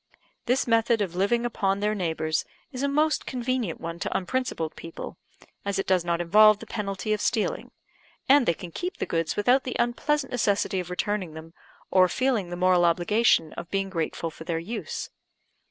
This method of living upon their neighbours is a most convenient one to unprincipled people, as it does not involve the penalty of stealing; and they can keep the goods without the unpleasant necessity of returning them, or feeling the moral obligation of being grateful for their use.